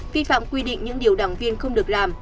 vi phạm quy định những điều đảng viên không được làm